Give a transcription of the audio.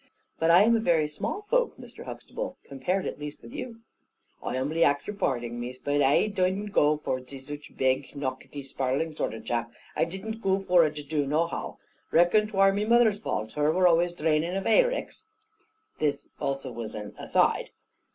"But I am a very small folk, Mr. Huxtable, compared at least with you." "I humbly ax your parding, Miss, but ai didn't goo for to be zuch a beg, nockety, sprarling zort of a chap. I didn't goo for to do it nohow. Reckon 'twar my moother's valt, her were always draining of hayricks." This also was an "aside."